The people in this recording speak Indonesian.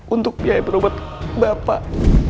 untuk biaya perubatan bapak